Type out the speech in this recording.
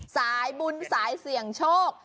สายบุญสายเสี่ยงโชค